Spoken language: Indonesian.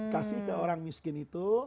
kasih ke orang miskin itu